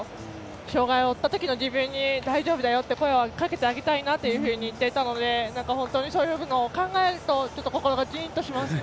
障がいを負ったときの自分に大丈夫だよと声をかけてあげたいなんて言っていたので本当にそういうのを考えると心がジーンとしますね。